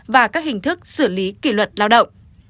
và các hình thức xử lý kỷ luật lao động